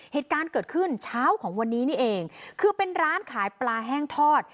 เหตุการณ์เกิดขึ้นเช้าของวันนี้นี่เองคือเป็นร้านขายปลาแห้งทอด